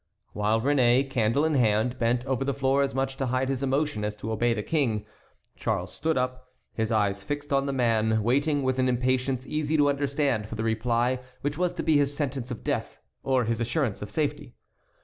While Réné, candle in hand, bent over the floor as much to hide his emotion as to obey the King, Charles stood up, his eyes fixed on the man, waiting with an impatience easy to understand for the reply which was to be his sentence of death or his assurance of safety.